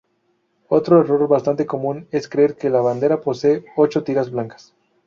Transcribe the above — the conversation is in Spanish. Otro error bastante común es creer que la bandera posee "ocho tiras blancas".